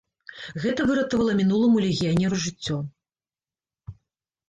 Гэта выратавала мінуламу легіянеру жыццё.